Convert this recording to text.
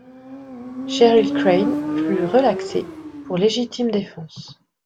Cheryl Crane fut relaxée pour légitime défense.